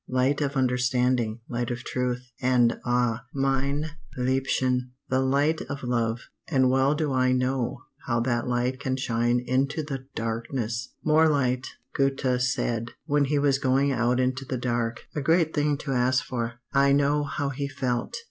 Light of understanding, light of truth and ah, mein liebchen, the light of love and well do I know how that light can shine into the darkness! "'More light' Goethe said, when he was going out into the dark. A great thing to ask for. I know how he felt!